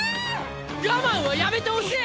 我慢はやめてほしい！